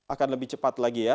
akan lebih cepat lagi ya